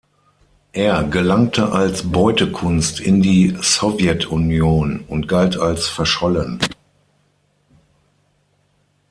Er gelangte als Beutekunst in die Sowjetunion und galt als verschollen.